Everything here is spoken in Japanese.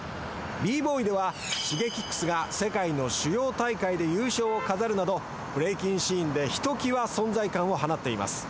Ｂ−ＢＯＹではＳｈｉｇｅｋｉｘが世界の主要大会で優勝を飾るなどブレイキンシーンでひときわ存在感を放っています。